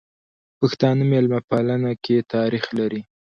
پښتانه ميلمه پالنې کی تاریخ لري.